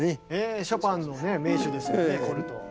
ショパンの名手ですよねコルトー。